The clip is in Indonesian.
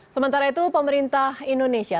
sementara itu pemerintah indonesia